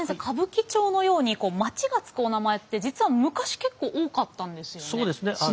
歌舞伎町のように町が付くおなまえって実は昔結構多かったんですよね。